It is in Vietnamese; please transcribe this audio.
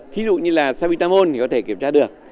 thí dụ như là samitamol thì có thể kiểm tra được